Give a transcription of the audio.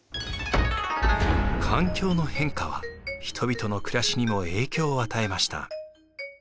環境の変化は人々の暮らしにも影響を与えました。